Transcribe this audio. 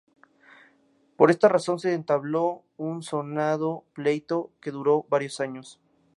Por esta razón se entabló un sonado pleito que duró varios años.